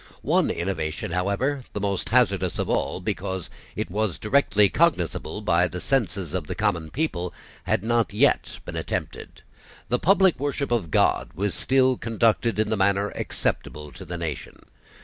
One innovation, however, the most hazardous of all, because it was directly cognisable by the senses of the common people, had not yet been attempted. The public worship of God was still conducted in the manner acceptable to the nation.